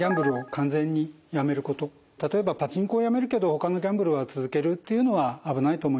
１つは例えばパチンコをやめるけどほかのギャンブルは続けるっていうのは危ないと思います。